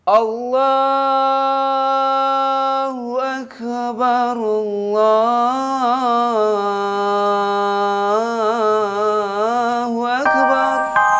allahu akbar allahu akbar